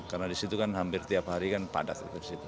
karena di situ kan hampir tiap hari kan padat